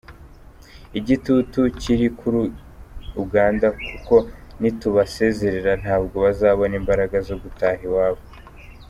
Igitutu kiri kuri Uganda kuko nitubasezerera ntabwo bazabona imbaraga zo gutaha iwabo”.